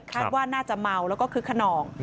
คาดว่าน่าจะเมาแล้วก็คึกขนอง